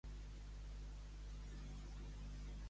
I espero que en Marc superi Higgins!